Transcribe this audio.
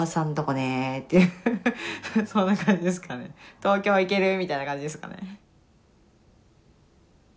「東京行ける」みたいな感じですかね。